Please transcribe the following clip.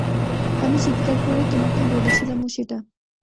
আমি চিৎকার করে তোমাকে বলছিলামও সেটা!